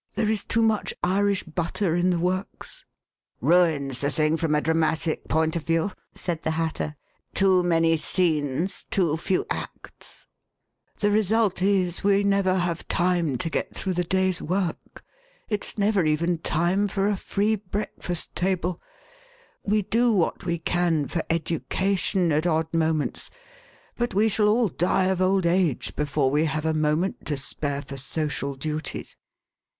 '* There is too much Irish butter in the works. "" Ruins the thing from a dramatic point of view," said the Hatter ;too many scenes, too few acts." The result is we never have time to get through 55 > The Westminster Alice the day's work. It's never even time for a free breakfast table ; we do what we can for education at odd moments, but we shall all die of old age before we have a moment to spare for social duties."